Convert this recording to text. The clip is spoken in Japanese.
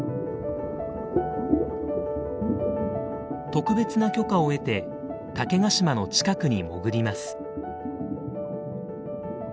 特別な許可を得て竹ヶ島の近くに潜ります。